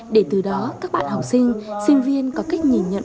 để từ đó các bạn học sinh sinh viên có cách nhìn nhận